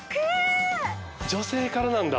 女性からなんだ。